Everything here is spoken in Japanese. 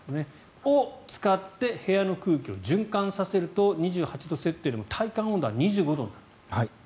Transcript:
それを使って部屋の空気を循環させると２８度設定でも体感温度は２５度になると。